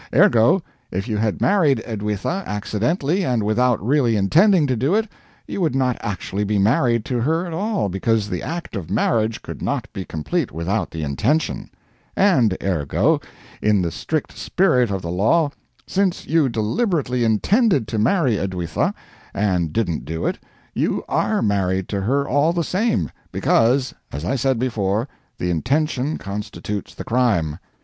Ergo, if you had married Edwitha accidentally, and without really intending to do it, you would not actually be married to her at all, because the act of marriage could not be complete without the intention. And ergo, in the strict spirit of the law, since you deliberately intended to marry Edwitha, and didn't do it, you are married to her all the same because, as I said before, the intention constitutes the crime.